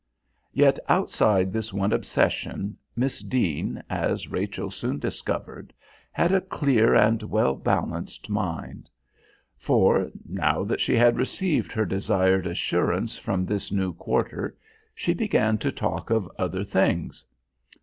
Yet outside this one obsession Miss Deane, as Rachel soon discovered, had a clear and well balanced mind. For, now that she had received her desired assurance from this new quarter, she began to talk of other things.